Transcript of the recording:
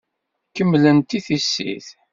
Kemmlent i tissit.